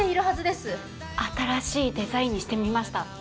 新しいデザインにしてみました。